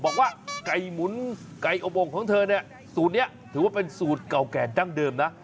บอกว่าไก่หมุนไก่อบงของเธอเนี่ยสูตรนี้ถือว่าเป็นสูตรเก่าแก่ดั้งเดิมนะ